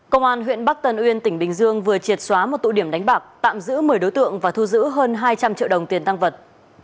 công an huyện bắc tân uyên tỉnh bình dương vừa triệt xóa một tụ điểm đánh bạc tạm giữ một mươi đối tượng và thu giữ hơn hai trăm linh triệu đồng tiền tăng vật